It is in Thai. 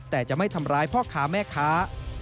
แต่จะไม่ทำร้ายพ่อค้าแม่ค้า